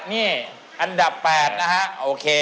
นี่อันดับ๘นะฮะโอเค